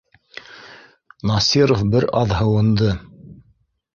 Насиров бер аҙ һыуынды: